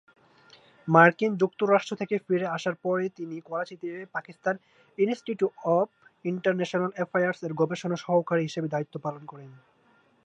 মার্কিন যুক্তরাষ্ট্র থেকে ফিরে আসার পরে তিনি করাচীতে"পাকিস্তান ইনস্টিটিউট অব ইন্টারন্যাশনাল অ্যাফেয়ার্স"-এর গবেষণা সহকারী হিসেবে দায়িত্ব পালন করেন।